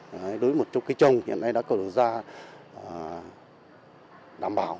đối với một chục cây trông hiện nay đã có đầu da đảm bảo